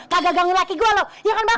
kagak ganggu laki gue lu ya kan bang